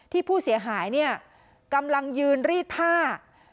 ที่ผู้เสียหายเนี่ยกำลังยืนรีดผ้า